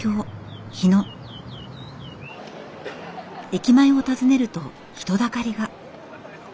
駅前を訪ねると人だかりが。